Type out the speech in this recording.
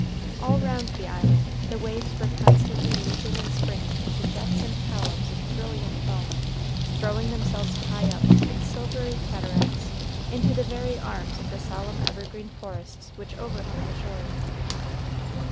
All round the island the waves were constantly leaping and springing into jets and columns of brilliant foam, throwing themselves high up, in silvery cataracts, into the very arms of the solemn evergreen forests which overhung the shore.